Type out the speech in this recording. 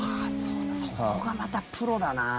そこがまたプロだな。